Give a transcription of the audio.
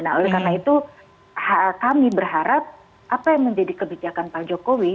nah oleh karena itu kami berharap apa yang menjadi kebijakan pak jokowi